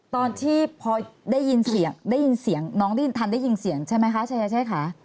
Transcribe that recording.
ตอนที่พอได้ยินเสียงน้องทำได้ยินเสียงใช่ไหมคะใช้ขา